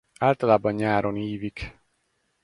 Általában nyáron ívik.